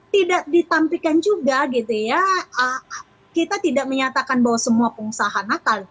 tidak ditampilkan juga gitu ya kita tidak menyatakan bahwa semua pengusaha nakal